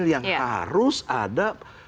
yang harus ada